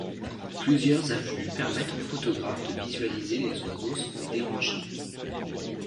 Plusieurs affûts permettent aux photographes de visualiser les oiseaux sans les déranger.